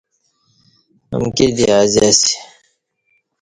امکی دی ازیاسی